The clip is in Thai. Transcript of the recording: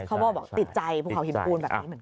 เขาบอกติดใจภูเขาหินปูนแบบนี้